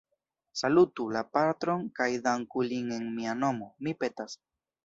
Salutu la patron kaj danku lin en mia nomo, mi petas.